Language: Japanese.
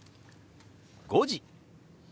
「５時」。